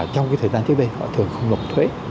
trong cái thời gian trước đây họ thường không lục thuế